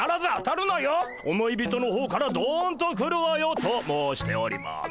思い人の方からどんと来るわよ！」と申しております。